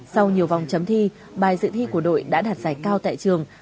sau nhiều vòng chấm thi bài dự thi của đội đã đạt giải cao tại trường